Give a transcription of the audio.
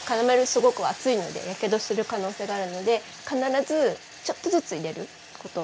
すごく熱いのでやけどする可能性があるので必ずちょっとずつ入れること。